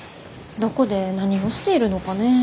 どこで何をしているのかねぇ。